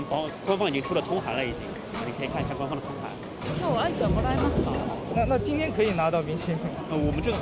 きょうはアイスはもらえますか？